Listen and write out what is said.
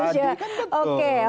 iya memang presiden republik indonesia